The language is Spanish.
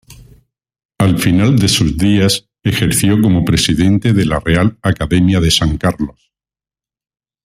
Al final de sus días ejerció como presidente de Real Academia de San Carlos.